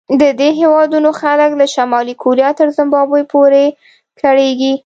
د دې هېوادونو خلک له شمالي کوریا تر زیمبابوې پورې کړېږي.